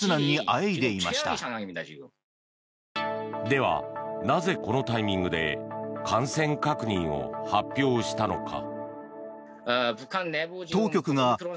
では、なぜこのタイミングで感染確認を発表したのか。